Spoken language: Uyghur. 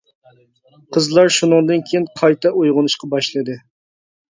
قىزلار شۇنىڭدىن كىيىن قايتا ئويغىنىشقا باشلىدى.